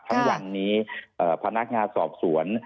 ทั้งวันนี้พนักงานสอบสวน